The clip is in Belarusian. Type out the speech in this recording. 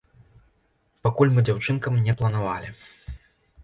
Пакуль мы дзяўчынкам не планавалі.